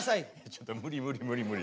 ちょっと無理無理無理無理。